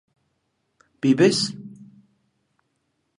¿vives?